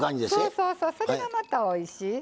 そうそうそれがまたおいしい。